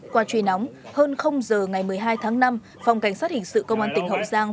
qua truyền nóng hơn h ngày một mươi hai tháng năm phòng cảnh sát hình sự công an tỉnh học giang